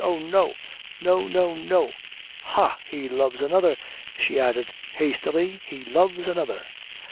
Oh, no! no, no, no ha! He loves another," she added, hastily; "he loves another!"